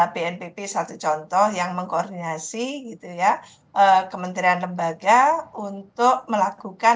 bnpb satu contoh yang mengkoordinasi kementerian lembaga untuk melakukan